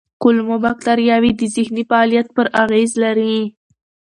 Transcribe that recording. کولمو بکتریاوې د ذهني فعالیت پر اغېز لري.